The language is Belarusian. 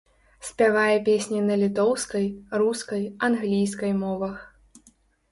Спявае песні на літоўскай, рускай, англійскай мовах.